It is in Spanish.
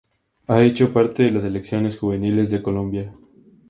Ha hecho parte de las selecciones juveniles de Colombia.